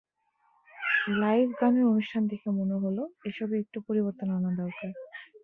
Live গানের অনুষ্ঠান দেখে মনে হলো, এসবে একটু পরিবর্তন আনা দরকার।